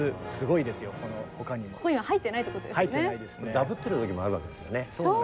ダブってる時もあるわけですよね。